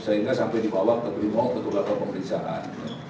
sehingga sampai dibawa ke brimong ke tugas pemerintahan